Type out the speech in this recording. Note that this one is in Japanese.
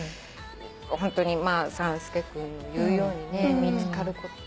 ホントに参助君言うように見つかる。